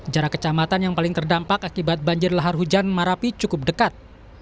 jarak kecamatan yang paling terdampak akibat banjir lahar hujan marapi cukup dekat